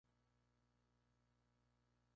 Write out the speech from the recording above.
El cuarto sencillo lanzado es "I Cry".